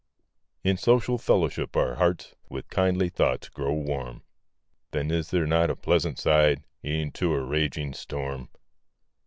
In social fellowship, our hearts With kindly thoughts grow warm; Then is there not a pleasant side, E'en to a raging storm?